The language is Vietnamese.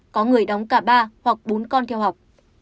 có người đóng cả ba hoặc bốn con theo học